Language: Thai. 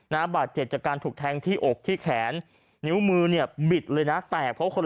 บาดเจ็บจากการถูกแทงที่อกที่แขนนิ้วมือเนี่ยบิดเลยนะแตกเพราะคน